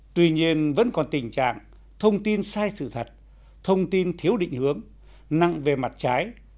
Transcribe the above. tuy nhiên vẫn còn tình trạng thông tin sai sự thật thông tin thiếu định hướng nặng về mặt trái